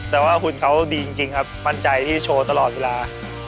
แต่ว่าหุ่นเขาดีจริงครับมั่นใจที่โชว์ตลอดเวลา